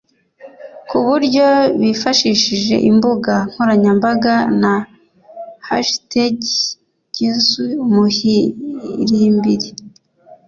ku buryo bifashishije imbuga nkoranyambaga na hashtag #JeSuisUmuhirimbiri